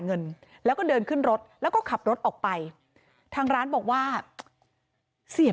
เงินแล้วก็เดินขึ้นรถแล้วก็ขับรถออกไปทางร้านบอกว่าเสียบ